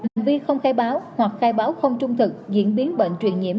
hành vi không khai báo hoặc khai báo không trung thực diễn biến bệnh truyền nhiễm